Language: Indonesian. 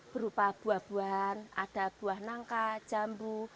berupa buah buahan ada buah nangka jambu